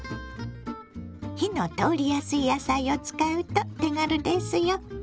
火の通りやすい野菜を使うと手軽ですよ。